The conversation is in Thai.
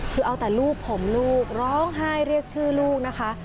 คือเอาแต่ลูกผมลูกร้องไห้เรียกชื่อลูกนะคะ